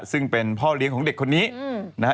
ซึ่งเป็นพ่อเลี้ยงของเด็กคนนี้นะฮะ